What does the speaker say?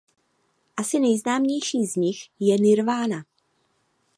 Asi nejznámější z nich je Nirvana.